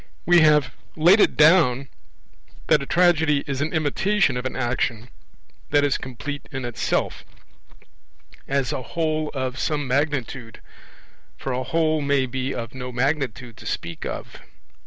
We have laid it down that a tragedy is an imitation of an action that is complete in itself, as a whole of some magnitude; for a whole may be of no magnitude to speak of.